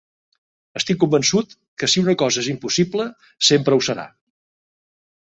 Estic convençut que si una cosa és impossible, sempre ho serà.